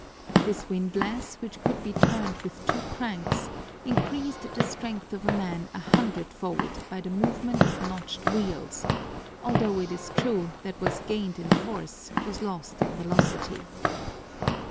This windlass, which could be turned with two cranks, increased the strength of a man a hundredfold by the movement of notched wheels, although it is true that what was gained in force was lost in velocity.